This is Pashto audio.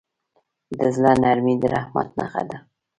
د زړه نرمي د رحمت نښه ده.